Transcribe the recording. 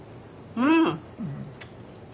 うん。